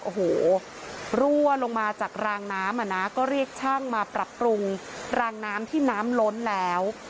โอ้โหรั่วลงมาจากรางน้ำอ่ะนะก็เรียกช่างมาปรับปรุงรางน้ำที่น้ำล้นแล้ว